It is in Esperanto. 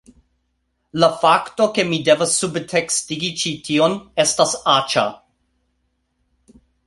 La fakto, ke mi devas subtekstigi ĉi tion, estas aĉa...